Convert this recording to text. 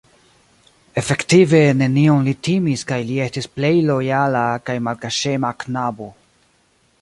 Efektive nenion li timis kaj li estis plej lojala kaj malkaŝema knabo.